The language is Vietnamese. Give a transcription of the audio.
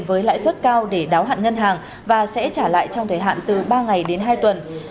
với lãi suất cao để đáo hạn ngân hàng và sẽ trả lại trong thời hạn từ ba ngày đến hai tuần